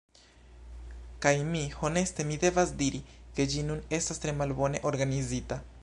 Kaj mi… Honeste mi devas diri, ke ĝi nun estas tre malbone organizita.